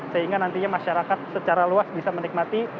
sehingga nantinya masyarakat secara luas bisa menikmati